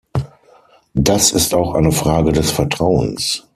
Das ist auch eine Frage des Vertrauens.